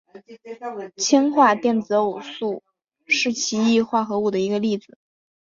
氢化电子偶素是奇异化合物的一个例子。